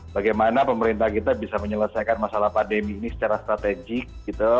bagaimana pemerintah kita bisa menyelesaikan masalah pandemi ini secara strategik gitu